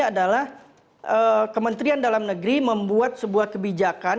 adalah kementerian dalam negeri membuat sebuah kebijakan